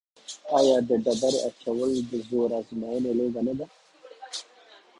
آیا د ډبرې اچول د زور ازموینې لوبه نه ده؟